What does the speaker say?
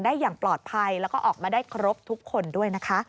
อย่างปลอดภัยแล้วก็ออกมาได้ครบทุกคนด้วยนะคะ